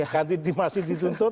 ganti masih dituntut